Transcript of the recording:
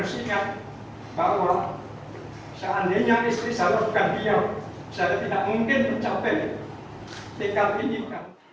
dan saya harus ingat bahwa seandainya istrinya bukan dia saya tidak mungkin mencapai dekat ini